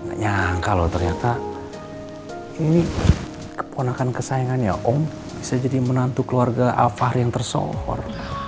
nggak nyangka loh ternyata ini keponakan kesayangannya om bisa jadi menantu keluarga al fahri yang tersohor